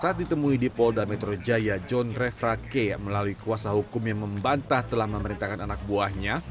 saat ditemui di polda metro jaya john refrake melalui kuasa hukum yang membantah telah memerintahkan anak buahnya